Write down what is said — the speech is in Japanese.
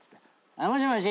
「もしもし？